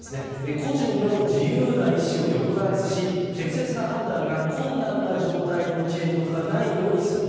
個人の自由な意思を抑圧し適切な判断が困難な状態に陥ることがないようにする。